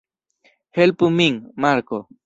Helpu min, Marko!